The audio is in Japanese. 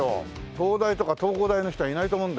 東大とか東工大の人はいないと思うんだよね。